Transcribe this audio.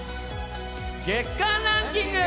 月間ランキング